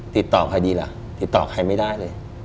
ติดต่อใครดีล่ะติดต่อใครไม่ได้เลย